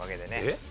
えっ？